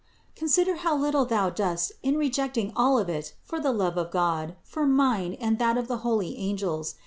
Consider how little thou dost in rejecting all of it for the love of God, for mine and that of the holy angels.